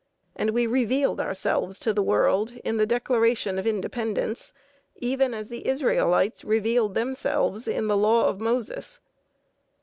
And we revealed ourselves to the world in the Declaration of Independence, even as the Israelites revealed themselves in the Law of Moses.